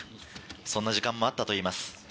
そんな時間もあったといいます。